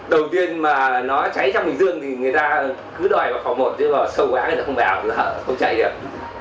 đầu tiên mà nó cháy trong hình dương thì người ta cứ đòi vào phòng một chứ mà sâu quá thì không báo là không cháy được